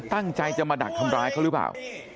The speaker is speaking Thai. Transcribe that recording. ตั้งใจจะมาดักทำร้ายเขาหรือเปล่า